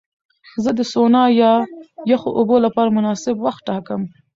زه د سونا یا یخو اوبو لپاره مناسب وخت ټاکم.